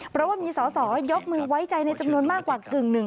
เพราะว่ามีสอสอยกมือไว้ใจในจำนวนมากกว่ากึ่งหนึ่ง